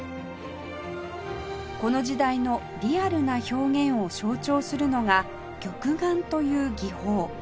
この時代のリアルな表現を象徴するのが「玉眼」という技法